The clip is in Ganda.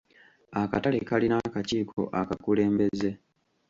Akatale kalina akakiiko akakulembeze.